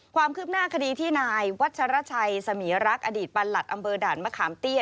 ความคืบหน้าคดีที่นายวัชรชัยสมีรักษ์อดีตประหลัดอำเภอด่านมะขามเตี้ย